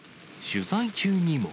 取材中にも。